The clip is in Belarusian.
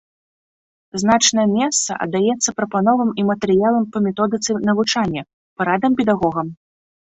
Значнае месца аддаецца прапановам і матэрыялам па методыцы навучання, парадам педагогам.